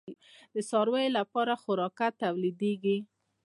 د څارویو لپاره خوراکه تولیدیږي؟